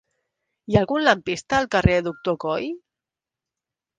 Hi ha algun lampista al carrer del Doctor Coll?